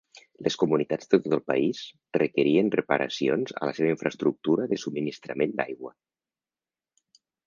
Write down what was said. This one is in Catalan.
Les comunitats de tot el país requerien reparacions a la seva infraestructura de subministrament d'aigua.